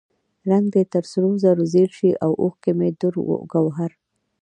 رنګ دې تر سرو زرو زیړ شي او اوښکې مې دُر و ګوهر.